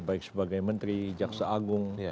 baik sebagai menteri jaksa agung